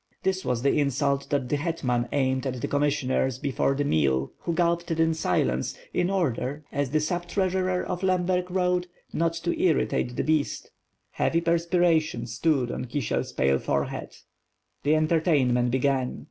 This was the insult that the Hetman aimed at the com missioners before the meal, who gulped it in silence, in order, as the sub treasurer of Lemberg wrote, "not to irritate the beast." Heavy perspiration stood on Kisiel's pale forehead. The entertainment began.